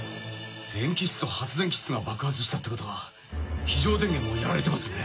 電気室と発電気室が爆発したってことは非常電源もやられてますね。